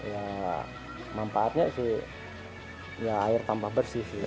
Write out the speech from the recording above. ya manfaatnya sih ya air tambah bersih sih